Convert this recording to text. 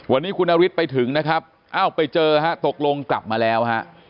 วันนี้คุณนฤทธิ์ไปถึงนะครับอ้าวไปเจอฮะตกลงกลับมาแล้วฮะ